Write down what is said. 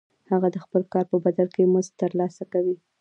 هغه د خپل کار په بدل کې مزد ترلاسه کوي